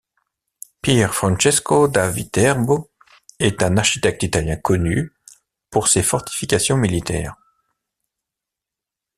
Pier Francesco da Viterbo est un architecte italien connu pour ses fortifications militaires.